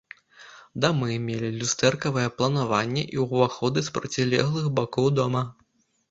Дамы мелі люстэркавае планаванне і ўваходы з процілеглых бакоў дома.